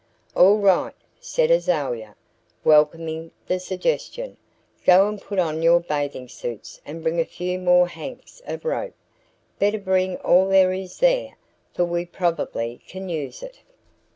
"All right," said Azalia, welcoming the suggestion. "Go and put on your bathing suits and bring a few more hanks of rope. Better bring all there is there, for we probably can use it."